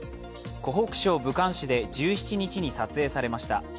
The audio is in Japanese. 湖北省武漢市で１７日に撮影されました。